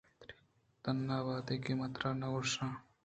تناوہدے کہ من ترا نہ گوٛشاں